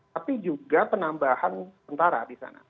tapi juga penambahan tentara di sana